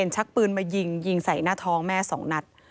ชักปืนมายิงยิงใส่หน้าท้องแม่๒นัด